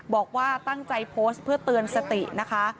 บอกว่าตั้งใจโพสต์เพื่อเตือนสตินะคะ